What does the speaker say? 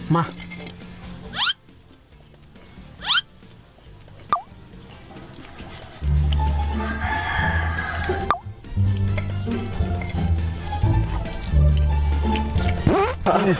มา